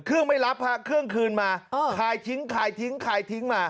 ไม่รับฮะเครื่องคืนมาขายทิ้งขายทิ้งขายทิ้งมา